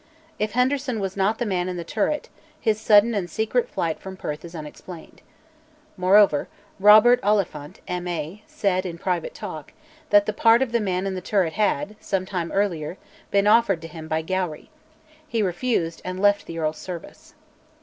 If Henderson was not the man in the turret, his sudden and secret flight from Perth is unexplained. Moreover, Robert Oliphant, M.A., said, in private talk, that the part of the man in the turret had, some time earlier, been offered to him by Gowrie; he refused and left the Earl's service.